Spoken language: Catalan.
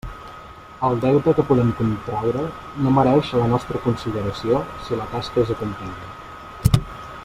El deute que podem contraure no mereix la nostra consideració si la tasca és acomplida.